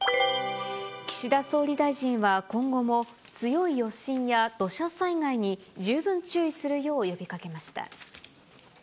岸田総理大臣は、今後も強い余震や土砂災害に十分注意するよう呼びかけました。